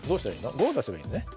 ５出せばいいのね？